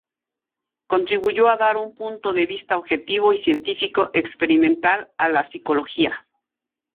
Contribuyó a dar un punto de vista objetivo y científico-experimental a la psicología.